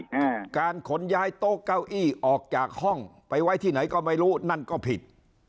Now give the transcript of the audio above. อ่าการขนย้ายโต๊ะเก้าอี้ออกจากห้องไปไว้ที่ไหนก็ไม่รู้นั่นก็ผิด